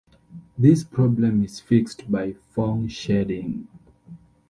This problem is fixed by Phong shading.